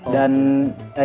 dan yang dirindukan